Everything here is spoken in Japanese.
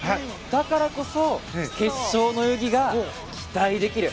だからこそ決勝の泳ぎが期待できる。